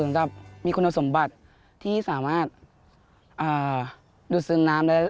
ซึ่งมีคุณสมบัติที่สามารถสืบน้ำ